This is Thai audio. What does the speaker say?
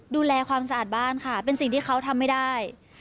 ดูแลความสะอาดบ้านค่ะเป็นสิ่งที่เขาทำไม่ได้